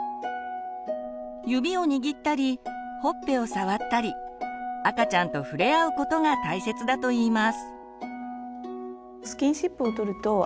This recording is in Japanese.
指を握ったりほっぺを触ったり赤ちゃんと触れ合うことが大切だといいます。